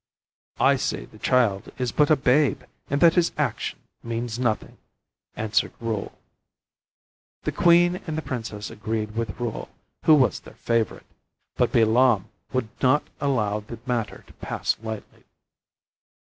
"I say the child is but a babe and that this action means nothing," answered Reuel. The queen and the princess agreed with Reuel, who was their favorite, but Bilam would not allow the matter to pass lightly.